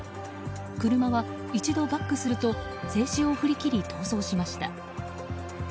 車は一度バックすると制止を振り切り、逃走しました。